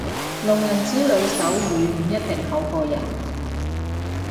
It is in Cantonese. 聾人子女手語唔一定好過人